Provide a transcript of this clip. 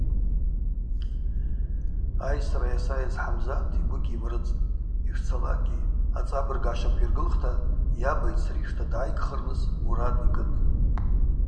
Айсра йасайыз Хӏамзат йгвы гьйымрыдзтӏ, йшцалакӏгьи ацӏабарыг гӏащаквйыргылхта йаба йцришта дгӏайгхырныс мурад йкӏытӏ.